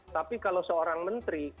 tapi kalau seorang menteri